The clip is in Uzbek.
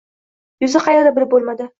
Yuzi qaerda, bilib bo‘lmadi.